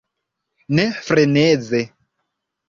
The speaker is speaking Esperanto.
Ne freneze!